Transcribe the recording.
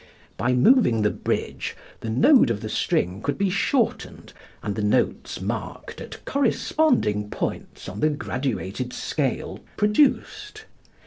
By moving the bridge the node of the string could be shortened and the notes marked at corresponding points on the graduated scale produced.